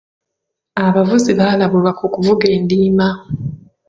Abavuzi balabulwa ku kuvuga endiima.